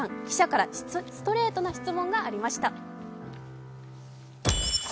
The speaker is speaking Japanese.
記者からストレートな質問がありました。